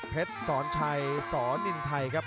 เพชรสอนชัยสนินไทยครับ